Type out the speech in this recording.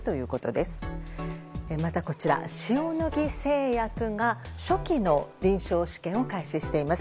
また、塩野義製薬が初期の臨床試験を開始しています。